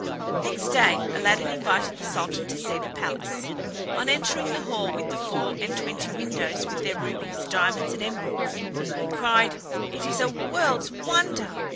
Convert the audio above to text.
Next day Aladdin invited the Sultan to see the palace. On entering the hall with the four and twenty windows with their rubies, diamonds and emeralds, he cried, "It is a world's wonder!